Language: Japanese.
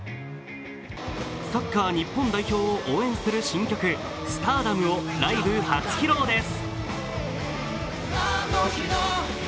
サッカー日本代表を応援する新曲、「Ｓｔａｒｄｏｍ」をライブ初披露です。